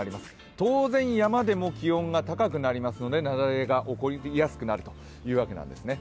当然山でも気温が高くなりますので雪崩が起こりやすくなるというわけなんですね。